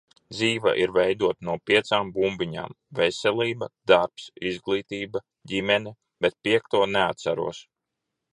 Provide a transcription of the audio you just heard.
Dzīve ir veidota no piecām bumbiņām - veselība, darbs, izglītība, ģimene, bet piekto neatceros.